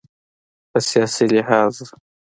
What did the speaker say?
په سیاسي لحاظ